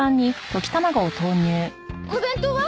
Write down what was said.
お弁当は？